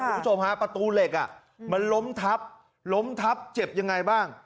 คุณผู้ชมฮะประตูเหล็กอ่ะมันล้มทับล้มทับเจ็บยังไงบ้าง